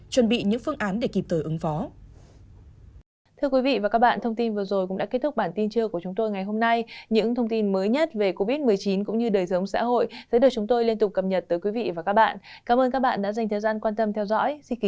chuẩn bị những phương án để kịp thời ứng phó